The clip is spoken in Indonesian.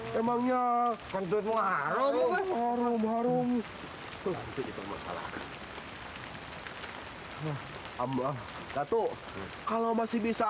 hai aku terpaksa aku terpaksa